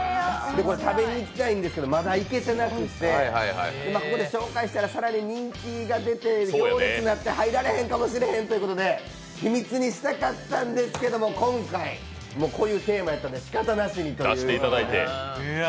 これ食べに行きたいんですけど、まだ行けてなくて、ここで紹介したら更に人気が出て行列になって入られへんかもしれへんということで、秘密にしたかったんですけど今回、こういうテーマやったんでしかたなしにという。